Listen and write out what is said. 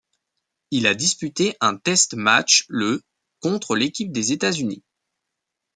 Il a disputé un test match le contre l'équipe des États-Unis.